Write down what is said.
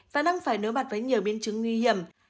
và đang phải đối mặt với nhiều biến chứng nguy hiểm